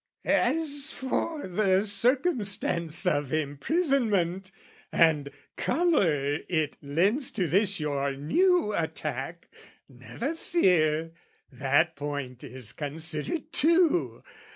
"As for the circumstance of imprisonment "And colour it lends to this your new attack, "Never fear, that point is considered too!